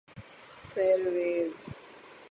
فیروئیز